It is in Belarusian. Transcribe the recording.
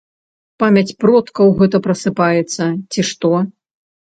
Памяць продкаў гэта прасыпаецца, ці што.